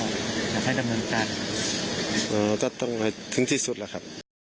ไม่ให้กับเมืองจ้านเออจะต้องมาถึงที่สุดแล้วครับ